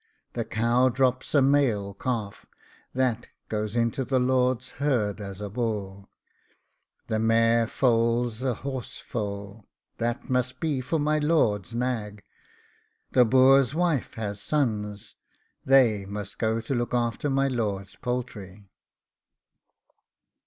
The cow drops a male calf, That goes into the lord's herd as a bull. The mare foals a horse foal, That must be for my lord's nag. The boor's wife has sons, They must go to look after my lord's poultry.